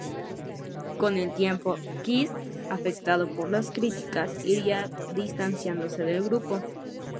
Con el tiempo, Keats, afectado por las críticas, iría distanciándose del grupo.